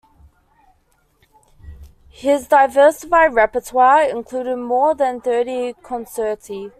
His diversified repertoire included more than thirty concerti.